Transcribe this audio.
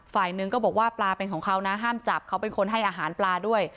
ฝ่ายหนึ่งก็บอกว่าปลาเป็นของเขานะห้ามจับเขาเป็นคนให้อาหารปลาด้วย